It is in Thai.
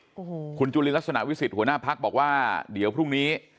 โอ้โหคุณจุลินลักษณะวิสิทธิหัวหน้าพักบอกว่าเดี๋ยวพรุ่งนี้